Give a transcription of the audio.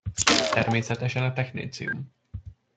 Természetesen a technécium.